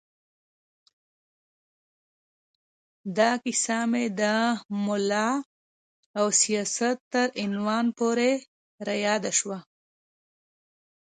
دا کیسه مې د ملا او سیاست تر عنوان پورې را یاده شوه.